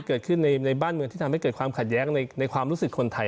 เกิดขึ้นในบ้านเมืองที่ทำให้เกิดความขัดแย้งในความรู้สึกคนไทย